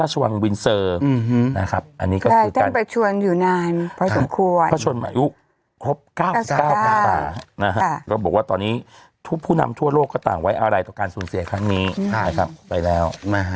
ใช่ครับไปแล้ว